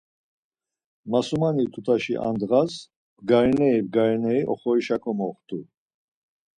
Masumani tutaşi ar ndğas bgarineri bgarineri oxorişa komoxtu.